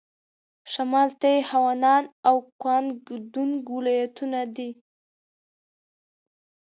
شمال ته یې هونان او ګوانګ دونګ ولايتونه دي.